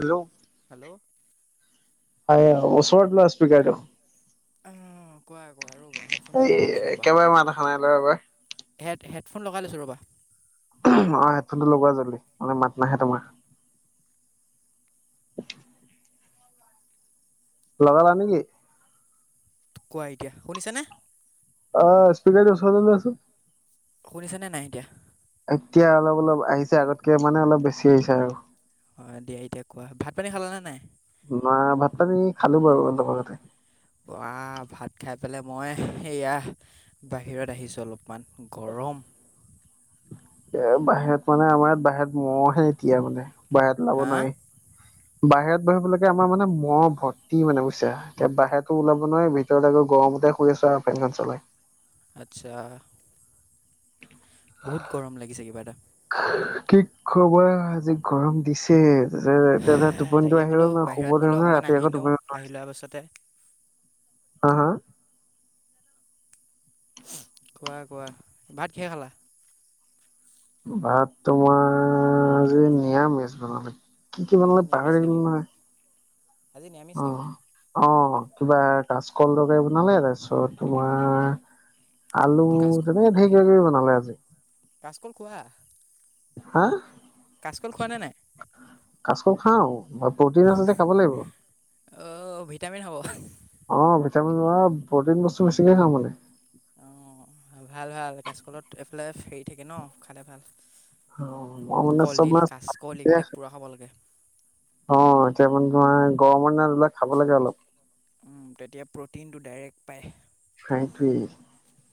Hello hello হয়, উচৰত লোৱা হাস্পিকটো অ', কোৱা আকৌ আৰু এই একেবাৰে মাত এখন নাই [unintelligible] ল এবাৰ হেড-হেডফোন লগাই লৈছোঁ ৰ'বা। অ', হেডফোন টো লগোৱা জল্দি, [unintelligible] মানে মাত নাহে তোমাৰ। [inaudible] লগালা নে কি? কোৱা এতিয়া। শুনিছানে? অ', স্পিকাৰ উচৰলে লোৱাচোন। শুনিছানে নাই এতিয়া এতিয়া অলপ-অলপ আহিছে আগতকে মানে অলপ বেছি আহিছে আৰু [inaudible] অ দিয়া এতিয়া কোৱা ভাত পানী খালা নে নাই? [unintelligible] নাই ভাত-পানী খালো বাৰু অলপ আগতে [unintelligible] অ ভাত খাই পেলাই মই সেয়া বাহিৰত আহিছো অলপ [unintelligible] অকমান গৰম [inaudible] এ বাহিৰত মানে আমাৰ ইয়াত বাহিৰত মৰহে এতিয়া মানে বাহিৰত ওলাব হা নোৱাৰি [unintelligible] বাহিৰত বহিবলৈগে আমাৰ মানে মহ ভৰ্তি মানে বুজিছে এতিয়া বাহিৰতো ওলাব নোৱাৰে ভিতৰত আকৌ গৰম [unintelligible] তে [unintelligible] শুই আছ ফেনখন চলাই। আচ্ছা [unintelligible] বহুত গৰম লাগিছে কিবা এটা। [unintelligible] কি কবা আজি গৰম দিছে। এতিয়া যে টোপনিটো তাকে আহিল বোলো ন শুব বাহিৰত ধৰি বোলো নহয় অকণমান ৰাতি আহি আকৌ লওঁ টোপনি আহি [unintelligible] লোৱাৰ পাছতে হা-হা [unintelligible] [unintelligible] খোৱা-খোৱা ভাত কিহে খালা? ভাত তোমাৰ আজি নিৰামিষ বনালে। কি-কি আজি বনালে নিৰামিষ পাহৰি গলোঁ নেকি নহয় আজি নিৰামিষ নেকি [unintelligible] অ-অ কিবা কাচকল তৰকাৰী বনালে তাৰপিছত তোমাৰ আলু কাচ তেনেকে ঢেৰ কিবাকিবি বনালে আজি। [unintelligible] কোৱা হা! কাচকল খোৱা নে নাই? কাচকল খাওঁ প্ৰটিন আছে যে খাব লাগিব [inaudible] অঁ ভিটামিন হ'ব অ ভিটামিন, প্ৰটিন বস্তু বেছিকে খাওঁ মানে। অ ভাল-ভাল কাচকলত এইফালে হেৰি থাকে ন খালে ভাল [unintelligible] অ ম‌ই মানে কলডিল কাচকল এইবিলাক [unintelligible] পূৰা খাব লাগে অ এতিয়া মানে তোমাৰ গৰমৰ দিনা এইবিলাক খাব লাগে অলপ [unintelligible] উম তেতিয়া প্ৰ'টিনটো ডাইৰেক্ট পায়। সেইটোৱেই [unintelligible]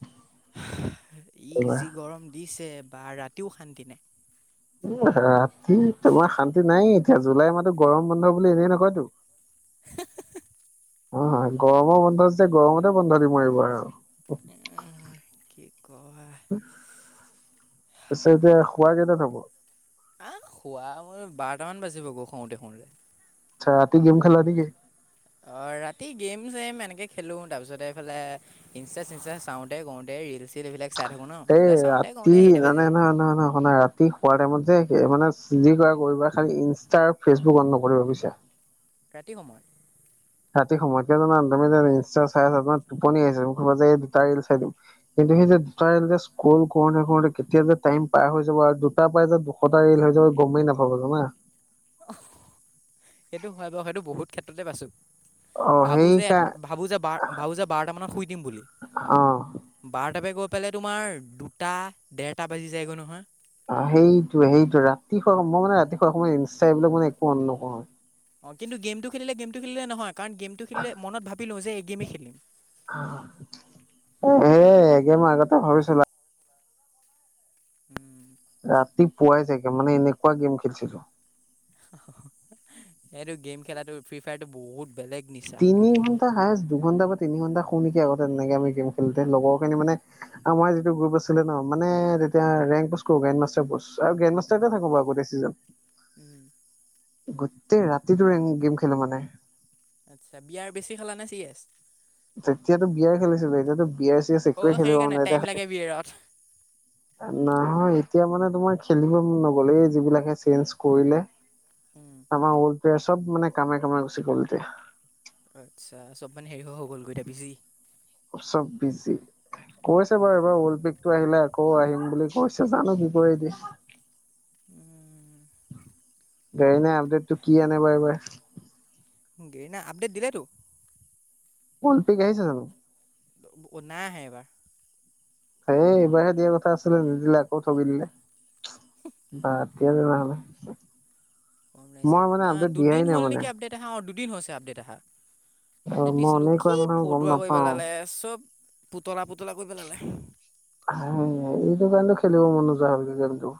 [unintelligible] ই যি গৰম দিছে বা ৰাতিও শান্তি নাই। ৰাতি তোমাৰ শান্তি নাই এতিয়া জুলাই মাহটো গৰম বন্ধ বুলি এনেই নকয়তো [unintelligible] [unintelligible] অ হয় গৰমৰ বন্ধত যে গৰমতে বন্ধ দিব [unintelligible] উম কি ক হয় [inaudible] [inaudible] পিছে এতিয়া খোৱা কেইটাত হ'ব? আহ খুৱা মোৰ বাৰটামান বাজিব গৈ খাওঁতে-খাওঁতে। আচ্ছা ৰাতি গেম খেলা নেকি [inaudible] অ ৰাতি গেম-চেম এনে [unintelligible] তেনেকে খেলো তাৰ পিছতে এইফালে ইনষ্টা-চিচষ্টা চাওঁতে-গওঁতে ৰিল-চিল এইবিলাক [inaudible] এ এইবিলাক চাওঁতে ৰাতি কৰোঁতে হেৰিটা বাজি নানে যায় নহয় ন [unintelligible] ৰাতি শোৱাৰ টাইমত যে মানে যি কৰা কৰিবা খালি ইনষ্টা আৰু ফেচবুক অন নকৰিব বুজিছা। ৰাতি সময় ৰাতি সময়তকে কিয় জানা তুমি যে ইনচটা চাই আছা তোমাৰ টোপনি আহিছে তুমি কবা যে এই দুটা ৰিল চাই দিওঁ। কিন্ত সেই যে দুটা ৰিল যে স্কল কৰোঁতে-কৰোঁতে কেতিয়া যে টাইম পাৰ হৈ যাব আৰু দুটা পাই যে দুশটা ৰিল হৈ যাব গমেই নাপাবা জানা সেইটো হয় বাৰু সেইটো বহুত ক্ষেত্ৰতে পাইছোঁ। অ ভাবোঁ সেই যে, কা ভাবোঁ যে, ভাবোঁ যে বাৰটামানত শুই দিম বুলি অ বাৰটা পৰা গৈ পালে তোমাৰ দুটা, ডেৰটা বাজি যায়গৈ নহয় অ সেইটোৱেই-সেইটোৱেই ৰাতিপুৱা মই মানে ৰাতিপুৱা অকনমান ইনষ্টা এইবিলাক মানে একো অন নকৰোঁ অ কিন্তু গেমটো খেলিলে গেমটো খেলিলে নহয় কাৰণ গেমটো খেলিলে মনত ভাবি লওঁ যে এই গেমেই খেলিম। এ একে মই আগতে ভাবিছিলো উম ৰাতি-পুৱাই চাগে। মানে এনেকুৱা গেম খেলিছিলো। এইটো গেম খেলাটো ফ্ৰী-ফায়াৰটো বহুত বেলেগ নিচা তিনি ঘন্টা হায়চ, দুঘন্টা বা তিনি ঘণ্টা নেকি আগতে তেনেকে আমি গেম খেলোতে লগৰখিনি মানে, আমাৰ যিটো গ্ৰুপ আছিলে ন মানে তেতিয়া গ্ৰণ্ড মাষ্টাৰ আৰু গ্ৰেণ্ড মাষ্টাৰ উম থাকো আকৌ চিজেন। উম গোটেই ৰাতিটো গেম খেলো আচ্ছা বি য়াৰ বেছি খালা নে চি এছ? তেতিয়াতো বি য়াৰ খেলিছিলো এতিয়াতো বি য়া চি চ অ একোৱে খেলিব সেইকাৰণে নাই টাইম লাগে বিয়েৰত এতিয়া। নহয়। এতিয়া মানে তোমাৰ খেলিব নগলে যিবিলাকে চেঞ্জ কৰিলে, উম আমাৰ চব মানে কামে-কামে গুচি গল এতিয়া। আচ্ছা চব মানে হেৰি হৈ হৈ গ'লগৈ এতিয়া বিজি। চব বিজি কৈছে বাৰু এইবাৰ অল পিক টো আহিলে আকৌ আহিম বুলি। অছ জানো দিব দ [unintelligible] উম। নাই আপডেটটো কি আনেবা এইবাৰ। গেৰীনা আপডেট দিলে টো। অল পিক আহিছে জানো। ন আহে এবাৰ। সেই এইবাৰে দিয়া কথা আছিলে। নিদিলে আকৌ ঠগি দিলে। বতিয় দি নহ'লে [unintelligible] আহ দুদিন মানে হৈছে আপডেট অহা অ দুদিন হৈছে। অ আপডেট মই দিছিলো অনেই কৰা কি নহয় গম ফটোৱা কৰি নাপাও পেলালে চব। তলা-পুতলা কৰিব পেলালে। সেইটো কাৰণে খেলিব মন নোযোৱা হল কি গেম তো।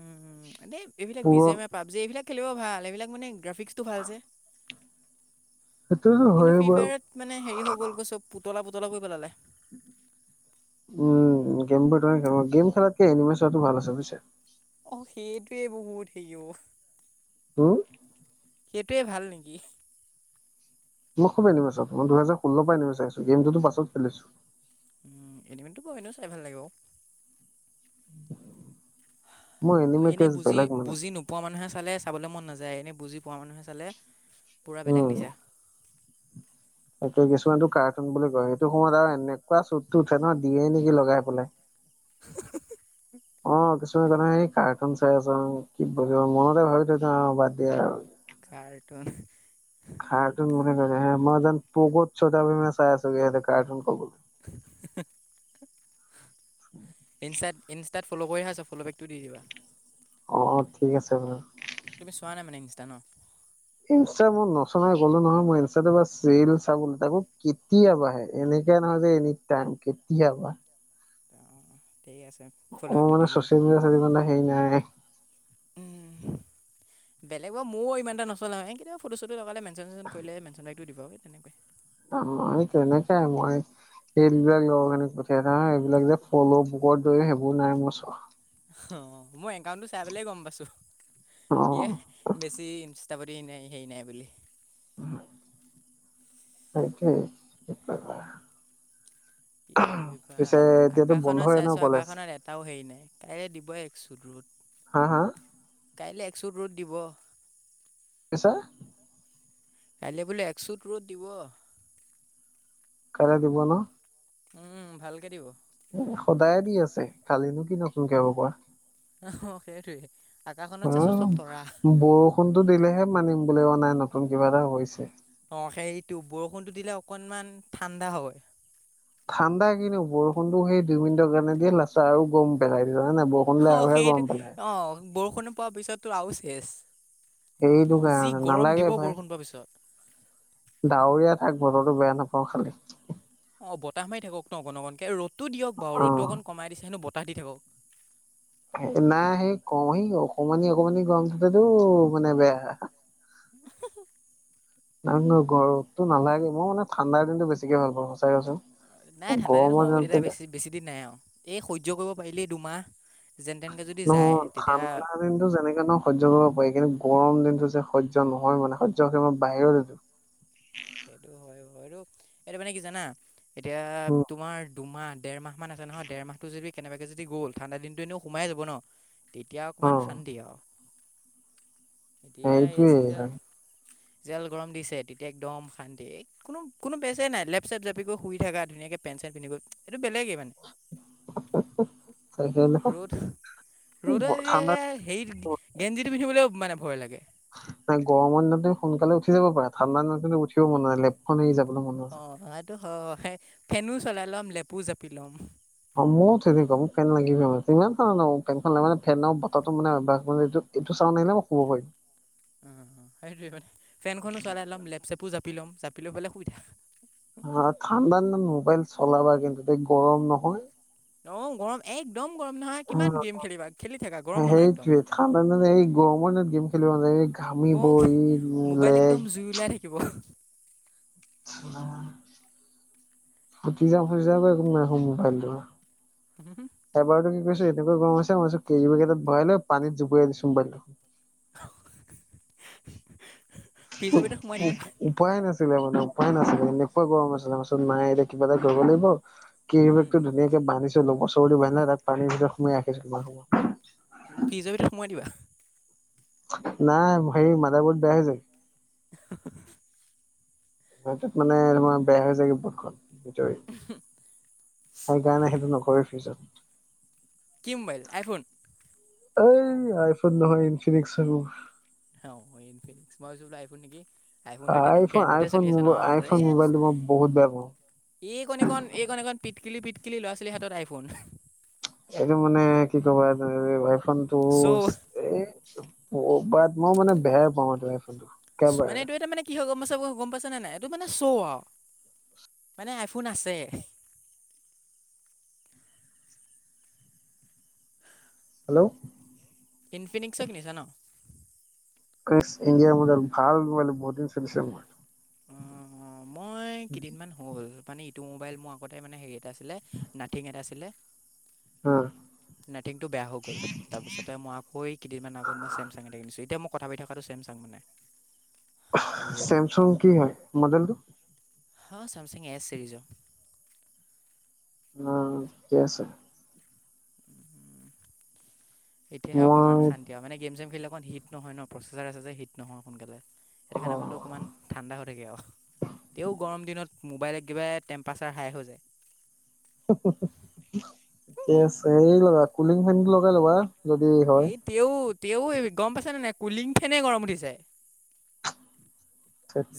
উম, উম, এনেই এইবিলাক বিজেমা পাবজি এইবিলাক খেলিব ভাল। এইবিলাক মানে গ্ৰাফিক্সটো ভালছে। সেইটোতো কিন্তু হয়ে ফ্ৰী বাৰু ফায়াৰত মানে হেৰি হৈ গ'লগৈ, চব পুতলা-পুতলা কৰি পেলালে। উ। উম, গেমবোৰ ত গেম-খেলাতকে এনিমেল চোৱাটো ভাল আছে বুজিছে। অ' সেইটোৱে বহুত হেৰি অ। হম। সেইটোৱে ভাল নেকি? মই খুবনিমা মইহেজ ষোল্ল পৰা এ নিমাচ আহছো গেমতো পছত খেলিছো। উম, এনিমিতো বাওঁ এনেও চাই ভাল লাগে বাওঁ। মোৰ এনিমে এনেই ক্ৰেজ বুজি, বেলেগ মানে বুজি নোপোৱা মানুহে চালে চাবলৈ মন নাযায়। এনেই বুজি পোৱা মানুহে চালে পুৰা বেলেগ উম নিচা। তাকে কিছুমানটো কাৰ্টুন বুলি কয়। সেইটো সময়ত আৰু এনেকুৱা চুটটো উঠে ন, দিয়ে নেকি লগাই পেলাই। অ' কিছুমান কথা সেই কাৰ্টুন চাই আছ কি [unintelligible] মনতে ভাবি থৈ দিও আৰু, বাদ দিয়া আৰু। কাৰ্টুন। কাৰ্টুন মানে [unintelligible] মই যেন প'গ'ত ছোটা ভিমহে চাই আছো। ইহঁতে কাৰ্টুন ক'ব। [unintelligible] ইনষ্টাত ফল' কৰিহে আছোঁ, ফল'বেকটো দি দিবা। অ' ঠিক আছে বাৰু। তুমি চোৱা নাই মানে ইনষ্টা ন? ইনষ্টা মই নচলাৱেই ক'লো নহয়, মই ইনষ্টাত ৰীলচ চাবলেহে, তাকো কেতিয়াাবঢাহে এনে। [unintelligible] এনিটাইম। কেতিয়াবা অ, ঠিক আছে ফ'ল' অ' বেকটো দি মানে দিবা চচিয়েল-মিডিয়াত ইমানটা সেই নাই। বেলেগৰ ময়ো ইমান এটা নচলাওঁ। এ কিন্তু ফটো-চটো লগালে, মেনচন কৰিলে মেনচন বেকটো দিব তেনেকোৱা এ। অ' তেনেকুৱাই মই। সেইবিলাকলৈ [unintelligible] এইবিলাক যে ফলো বোকৰ [unintelligible] সেইবোৰ নাই মোৰ চখ অ' মই একাউণ্টটো চাই পেলাই গম পাইছো। অ ইয় বেছি তাপাদি নাই, হেই নাই বুলি। সেইটোৱেই, কি কৰিব আৰু। [inaudible] বা আকাশখনত বন্ধই ন চাইছো কলেজ আকাশখনত এটাও হেৰি নাই। কাইলৈ দিব একচোত। হা হা কাইলৈ একচুত ৰ'দ দিব। ছা কাইলৈ বোলো একচুত ৰ'দ দিব। কাইলৈ দিব ন? উম ভালকে দিব। এ সদায়ে দি আছে। কালিনো কি নতুনকে [unintelligible] অ' সেইটোৱে। আকাশখনত চাইছোঁ চব তৰা অ' বৰষুণটো দিলেহে মানিম, বোলে অ' নাই নতুন কিবা এটা হৈছে। অ' সেইটো, বৰষুণটো দিলে অকনমান ঠাণ্ডা হয়। ঠাণ্ডা কিনো! বৰষুণটো সেই দুই মিনিটৰ কাৰণে দিয়ে। লাষ্টত আৰু গৰম পেলাই দিয়ে। হয় নাই? বৰষুণ দিলে আৰুহে গৰম পেলায়। পোৱা পিছতো আৰু শেষ। সেইটো যি কাৰণে গৰম দিব নালাগে ভাই বৰষুণ পোৱা পিছত। ডাৱৰীয়া থাক বতৰটো, বেয়া নাপাওঁ খালি। অ' বতাহ মাৰি থাকক ন? অকন-অকনকে। ৰ'দটো দিয়ক বাৰু। অ ৰ'দটো অকণ কমাই দিছে নো [unintelligible] থাকক। নাই সেই কওঁ, সি অকমানি-অকমানি গৰমটোতেটো মানে বেয়া [unintelligible] নাই নহয়, গৰম, ৰ'দটো নালাগে। মই মানে ঠাণ্ডাৰ দিনতটো বেছিকে ভাল পাওঁ সঁচাকে ক'চোন। নাই ঠাণ্ডা দিন সোমাব বুলি এতিয়া বেছি বেছি দিন নাই আৰু। এই সহ্য কৰিব পাৰিলেই দুমাহ। যেন তেনকৈ যদি যায় নহয়। তেতিয়া ঠাণ্ডা দিনটো যেনেকে নহয় সহ্য কৰিব পাৰি। কিন্তু গৰম টো যে সহ্য নহয় মানে! সহ্য সীমাৰ বাহিৰত সেইটো। সেইটো হয়। হয়টো এইটো মানে কি জানা? এতিয়া উম তোমাৰ দুমাহ ডেৰ মাহমান আছে নহয়! ডেৰ মাহটো যদি কেনেবাকে যদি গ'ল। ঠাণ্ডা দিনটো এনেও সোমাই যাব ন? তেতিয়া অ অকমান শান্তি আৰু। এতিয়া এই সেইটোয়েই। যিডাল জেল গৰম দিছে, তেতিয়া একদম শান্তি। কোনো-কোনো কেচে নাই লেফ-চেপ জাপি কৰি শুই থাকা। ধুনীয়াকে পেন-চেন পিন্ধি কৰি টো বেলেগে মানে! ৰ'দ, ৰ'দত ঠাণ্ডা হেৰিত গেঞ্জিটো পিন্ধিবলৈও মানে ভয় লাগে। নাই গৰমৰ দিনত তুমি সোনকালে উঠি যাব পাৰা। ঠাণ্ডা দিনতো উঠিব মন নাযায়, লেপখন এই জাপি অ' হোৱাটো হয়। ফেনো চলাই ল'ম, লেপু জাপি ল'ম। অ মোৰ তেনেকা মোক ফেন লাগিবই মানে। ইমান ফেন নহক, ফেনখন লাগিবই ফেনৰ বতাহটো মানে। অভ্যাস কৰি লৈছো। এইটো চাউণ্ড নাহিলে মই শুব পাৰিম। উ সেইটোৱে মানে ফেনখনো চলাই লম লেপচেপো জাপি ল'ম জাপি লৈ পেলাই শুই থাকিম। হ ঠাণ্ডা দিনত মোবাইল চলাবা কিন্তু ত গৰম নহয় অ গৰম এক [unintelligible] গৰম নহয় একদম সেইটোৱেই ঠাণ্ডা দিনত এই গৰমৰ দিনত গেম খেলিব নোৱাৰি। ঘামিব গৰম ই মোবাইল একদম লেগ। জুই ওলাই থাকিব ফতি যাম ফাটি যাওঁ কে সেং মাৰে ক মোবাইলটো। হম [inaudible] এবাৰতো কি কৰিছো এনেকুৱা গৰম হৈছে মই কৈছো কেৰি বেগ এটাত ভৰাই লৈ পানীত জুপুৱাই দিছো মোবাইল ফ্ৰিজৰ ভিতৰত সোমাই দিবা উপায় নাছিল। নছিলে মানে উপাই নাছিলে এনেকুৱা গৰম হৈছিলে, পিছত মাই আহিলে কিবা এটা কৰিব লাগিব। কেবেটো ধুনীয়াকে বান্ধি বছৰল [unintelligible] বি না তাক পানীৰ ভিতৰত সোমাই ৰাখিছিলো কিমান সময়ত [unintelligible] সোমাই দিবা। নাই সেই মাদাৰ বত বেয়া হৈ যাব। মানেমাৰ বেয়া হৈ যায়গে বটখন। ৰি [unintelligible] সেইকাৰণে সেইটো নকৰে ফিছত। কি মোবাইল, আইফোন? এই আইফোন নহয়, ইনফিনিক্স উ' ইনফিনিক্স, মই ভাবিছো আইফোন নেকি। আইফোনটো এতিয়া তোৰ আইফোন ট্ৰেণ্ডতে আইফোন, চলি আছে ম, ন আইফোন মোবাইলটো মই বহুত বেয়া পাওঁ। এই কণীকন, এই কণীকণ, পিটকিলি পিটকিলি ল'ৰা ছোৱালীৰ হাতত আইফোন। এইটো মানে কি কবা, [inaudible] আইফোন চ' এই অ' [unintelligible] বাত মই মানে বেয়াই পাওঁ ত মানে এইটো এটা মানে কি হয়, গম চাব গম পাইছে নে নাই, এইটো মানে চৌ' আও মানে, আইফোন আছে। [inaudible] হেল্ল'। ইনফিনিক্সৰ কিনীছা ন? ইনফিনিক্স ইণ্ডিয়ান মডেল ভাল মনে বহুত দিন চলিছে। অ'অ' মই কেইদিনমান হ'ল, মানে ইটো মোবাইল মোৰ আগতে মানে হেৰি এটা আছিলে, নাথিং এটা আছিলে উম। নথংটো বেয়া হৈ গল, তাৰপিছতে মই আকৌ কেইদিনমান আগত মই চেমচাঙ এটা কনিছো, এতিয়া ম কথা পাই থকাটো চেম চাং মানে। আকৌ এইটোত ছেমছাং কি হয়, মডেলটো? হা চামচং এচ চিৰিজ অ' থিকে আছে। এতিয়াহে অকণমান মই শান্তি আও, মানে গেম চেম খেলি অকণ হিট নহয় ন, প্ৰচেচাৰ আছে যে, হিট নহয় সোনকালে। সেইটো অ কাৰণে হ অকণমান ঠাণ্ডা হৈ থাকে আও, তেও গৰম দিনত মোবাইলত কিবা টেম্পাৰচাৰ হাই হৈ যায়। [unintelligible] থিকে আছে, সৈ লবা, কুলিং ফেন লগাই ল'বা। যদি হয়। এই তেও, তেও এই গম পাইছে নে নাই কুলিং ফেনে গৰম উঠিছে।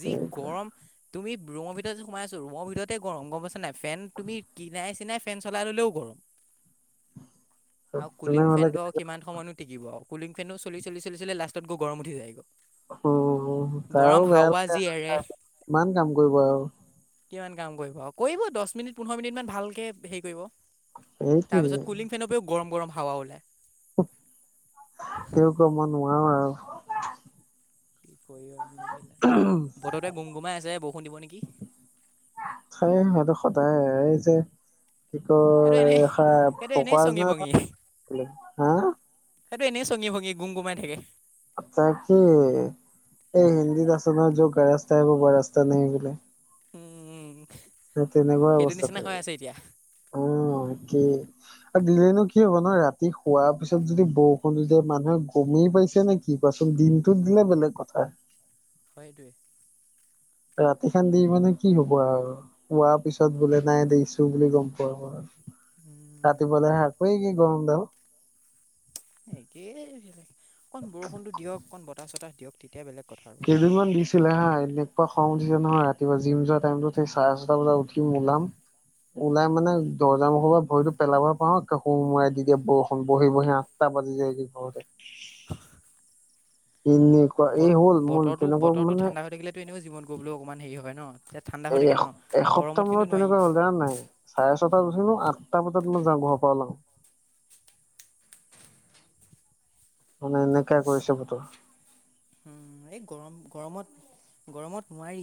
যি গৰম, তুমি ৰুমৰ ভিতৰততে সোমাই আছো, ৰুমৰ ভিতৰতে গৰম, গম পাইছা নাই। ফেন তুমি কিনাই চিনাই ফেন চলাই ললেও গৰম। আৰু কুলিং ফেন তেনেহ'লে টো কিমান সময়ো টিকিব আও। কুলিং ফেন উ' চলি-চলি লাষ্টত গৰম উঠি যায় গ'। উ' তাৰো বেয়া লে যি এৰে [unintelligible] কিমান কাম কৰিব আৰু। কিমান কাম কৰিব, কৰিব দহ মিনিট পোন্ধৰ মিনিট মান ভালকে হেৰি কৰিব। সেইটোৱে তাৰ পিছত কুলিং ফেনৰ পৰাও গৰম গৰম হাৱা ওলায়। স ক মই নোৱাৰো আৰু কৰিলা নে বতৰটোৱে গুম গুমাই আছে, বৰষুণ দিব নেকি। স' সেইটো সদায়, এই যে কি সেইটো কয়, এনেই খ সেইটো এনেই ফকুৱ চঙি যোন, ভঙি হা সেইটো এনেই চঙগী ভঙী, গুম গুমাই থাকে। তাকে ৰাস বব ৰাস্তা ন গিললে উম উম। সেই তেনেকুৱা অৱস্থাায় অ' একেই, নো কি হ'ব নহ ৰাতি শোৱাৰ পিছত যদি বৰষুণ দি দিয়ে, মানুহে গমেই পাইছে নে কি কোৱাচোন দিনটোত বেলে বেলেগ কথা। হয় এইটোৱে। ৰাতি খান দি মানে কি হ'ব আৰু, শোৱা পিছত বোলে নাই দেখছো বুলি গম পোৱা আৰু। উম ৰাতি পলে শাক কি গৰম দওঁ। একেই, বেলেগ অন বৰষুণতো দিয়ক অণ বতাহ চতাহ দিয়ক তেতিয়া বেলেগ। কথা আৰু ন কেইদিনমান দিছিলে হা এনেকুৱা। খ উঠিছে নহয় ৰাতিুৱা জিম যোৱা টাইমত সেই চাৰে ছটা বজাত উঠিম ওলাম। ওলাই উম মানে দৰ্জ মখৰ পৰা। ভৰিতটো পেলাব পাওঁ সো মৰাই দি দিয়া বৰ বহি বহি আঠটা বাজি যায়গে ঘৰতে। [unintelligible] এনেকুৱা এই বত হ'ল মোৰ বতৰো তেনেকুৱা বতৰতটো মানে ঠাণ্ডা হৈ থাকিলেতো এনেও জীৱন কৰিবলৈও অকনমান হেৰি হয় ন। তেতিয়া ঠাণ্ডা হৈ এ থাকে ন এসপ্তাহ গৰমত কিন্তু মানত নোৱাৰি তেনেকুৱা হ'ল জান নাই চাৰে ছটাাত উঠ নো আঠটা বজাত মই যাওঁ ঘ। পলং। মানে এনেকাই কৰিছে বতৰ। উম এই গৰম, গৰমত গৰমত নোৱাৰি।